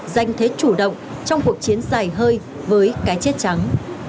giành thế chủ động trong cuộc chiến dài hơi với cái chết trắng